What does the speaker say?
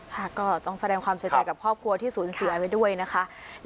ค่ะก็ต้องแสดงความเสียใจกับครอบครัวที่สูญเสียไว้ด้วยนะคะ